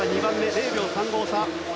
０秒３５差。